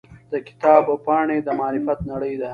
د کتاب پاڼې د معرفت نړۍ ده.